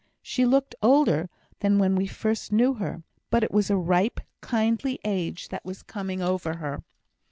She looked older than when we first knew her, but it was a ripe, kindly age that was coming over her.